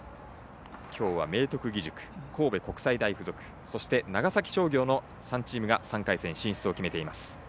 今日は明徳義塾、神戸国際大付属そして、長崎商業の３チームが３回戦進出を決めています。